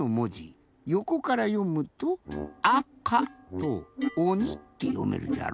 よこからよむと「あか」と「おに」ってよめるじゃろ？